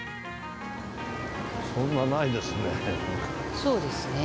そんなないですね。